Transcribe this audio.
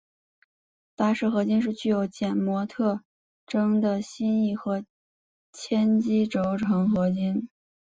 巴氏合金是具有减摩特性的锡基和铅基轴承合金。